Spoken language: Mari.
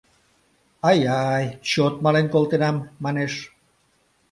— Ай-ай, чот мален колтенам! — манеш.